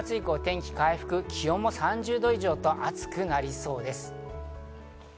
気温も３０度以上と暑くなりそうです。